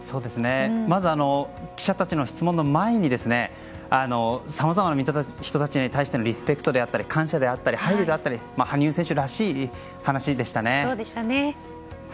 まず、記者たちの質問の前にさまざまな人たちに対してのリスペクトだったり感謝であったり配慮であったり羽生選手らしい話でしたね。